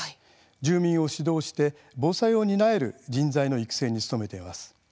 住民を指導して、防災を担える人材の育成に努めています。